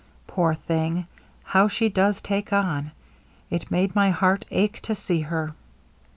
Poor thing, how she does take on! It made my heart ache to see her.'